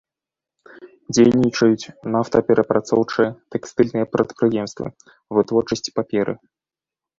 Дзейнічаюць нафтаперапрацоўчыя, тэкстыльныя прадпрыемствы, вытворчасць паперы.